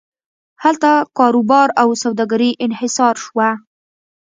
هلته کاروبار او سوداګري انحصار شوه.